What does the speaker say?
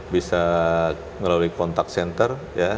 bisa melalui kontak senter